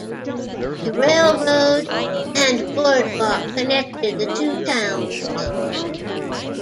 A railroad and boardwalk connected the two towns.